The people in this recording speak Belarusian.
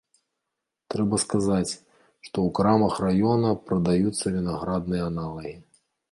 Трэба сказаць, што у крамах раёна прадаюцца вінаградныя аналагі.